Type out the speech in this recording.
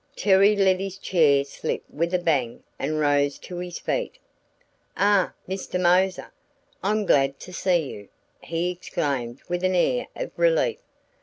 Terry let his chair slip with a bang and rose to his feet. "Ah, Mr. Moser! I'm glad to see you," he exclaimed with an air of relief.